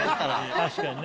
確かにね。